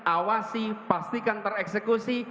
awasi pastikan tereksekusi